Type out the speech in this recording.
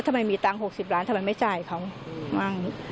ทำไมมีตังค์๖๐ล้านทำไมไม่จ่ายเขามั่ง